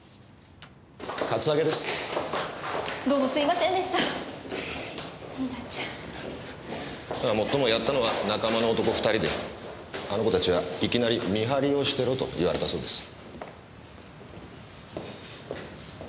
まあもっともやったのは仲間の男２人であの子たちはいきなり見張りをしてろと言われたそうです。